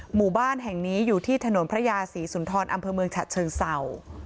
หมู่บ้านแห่งนี้อยู่ที่ถนนพระยาศรีสุนทรอำเภอเมืองฉะเชิงเศร้า